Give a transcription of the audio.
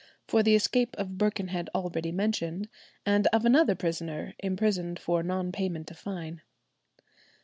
for the escape of Birkenhead already mentioned, and of another prisoner imprisoned for non payment of fine.